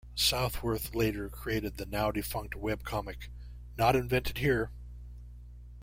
Southworth later created the now-defunct webcomic "Not Invented Here".